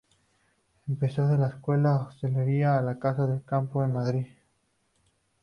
Empezó en la Escuela de Hostelería de la Casa de Campo, en Madrid.